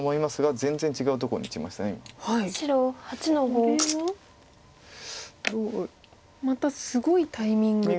これはまたすごいタイミングで。